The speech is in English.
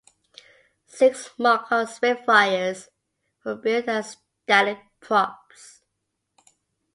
Six mock-up Spitfires were built as static props.